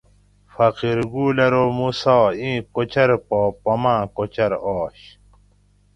فقیر گل ارو موسیٰ آں کوچر پا پماۤں کوچر آش